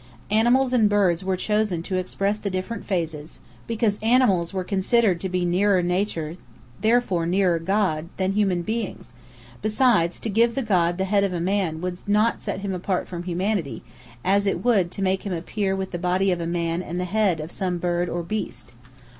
Animals and birds were chosen to express the different phases, because animals were considered to be nearer nature, therefore nearer God than human beings; besides, to give a god the head of a man would not set him apart from humanity, as it would to make him appear with the body of a man and the head of some bird or beast.